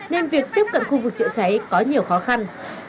nên việc tiếp cận khu vực chữa cháy có nhiều khó khăn